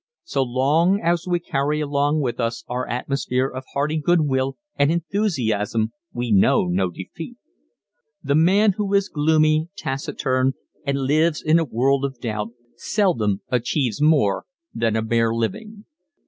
So long as we carry along with us our atmosphere of hearty good will and enthusiasm we know no defeat. The man who is gloomy, taciturn and lives in a world of doubt seldom achieves more than a bare living.